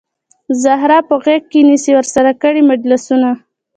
زهره په غیږ کې نیسي ورسره کړي مجلسونه